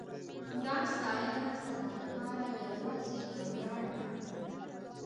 دا ستاینه زما لپاره یواځې یو ویاړ نه